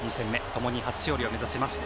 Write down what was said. ともに初勝利を目指します。